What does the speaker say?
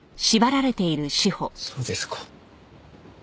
そうですか。